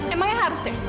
emangnya harus ya